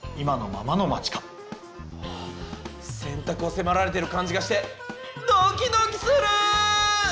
選択をせまられてる感じがしてドキドキする！